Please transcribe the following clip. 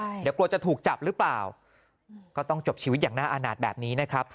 เดี๋ยวกลัวจะถูกจับหรือเปล่าก็ต้องจบชีวิตอย่างน่าอาณาจแบบนี้นะครับ